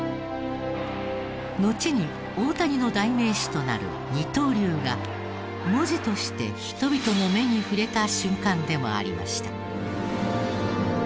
のちに大谷の代名詞となる「二刀流」が文字として人々の目に触れた瞬間でもありました。